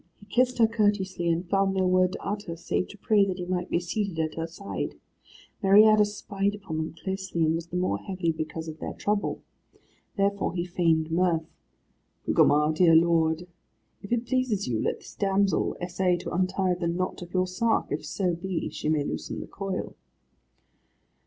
He kissed her courteously, and found no word to utter, save to pray that he might be seated at her side. Meriadus spied upon them closely, and was the more heavy because of their trouble. Therefore he feigned mirth. "Gugemar, dear lord, if it pleases you, let this damsel essay to untie the knot of your sark, if so be she may loosen the coil."